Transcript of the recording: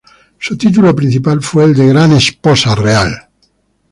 Su título principal fue el de Gran Esposa Real.